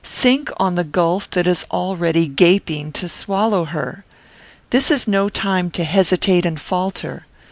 Think on the gulf that is already gaping to swallow her. This is no time to hesitate and falter.